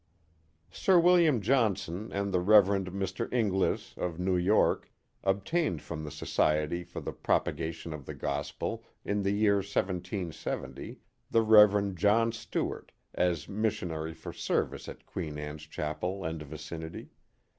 Sir William Johnson and the Rev. Mr. Inglis, of New York, obtained from the Society for the Propagation of the Gospel in the year 1770, the Rev. John Stuart, as missionary for service at Queen Anne's Chapel and vicinity.